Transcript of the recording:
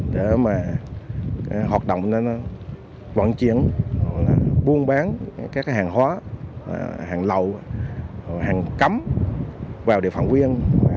để mà hoạt động vận chuyển buôn bán các hàng hóa hàng lậu hàng cấm vào địa phận quyên